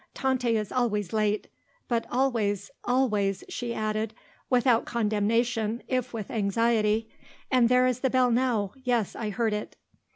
Tante is always late; but always, always," she added, without condemnation if with anxiety. "And there is the bell now. Yes, I heard it."